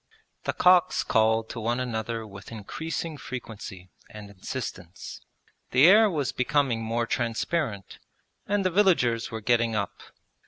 The cocks called to one another with increasing frequency and insistence. The air was becoming more transparent, and the villagers were getting up.